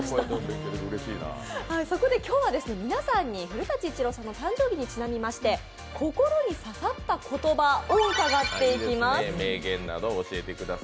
そこで今日は皆さんに古舘伊知郎さんの誕生日にちなみまして心に刺さった言葉を伺っていきます。